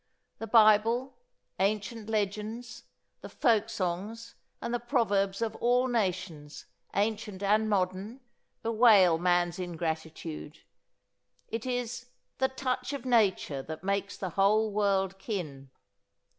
The Bible, ancient legends, the folk songs, and the proverbs of all nations, ancient and modern, bewail man's ingratitude. It is "the touch of nature that makes the whole world kin."